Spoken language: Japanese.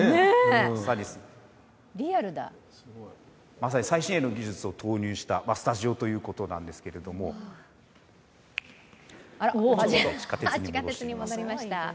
まさに最新鋭の技術を投入したスタジオということなんですが地下鉄に戻してみました。